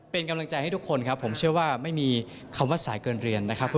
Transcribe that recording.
เป็นกำลังใจให้ทุกคนครับผมเชื่อว่าไม่มีคำว่าสายเกินเรียนนะครับ